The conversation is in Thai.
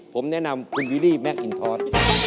ผมแนะนำคุณวิลลี่แมคอินทอส